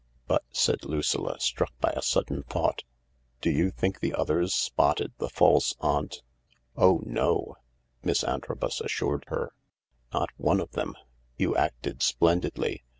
" But," said Lucilla, struck by a sudden thought, " do you think the others spotted the false aunt ?"" Oh no," Miss Antrobus assured her, " not one of them 1 You acted splendidly.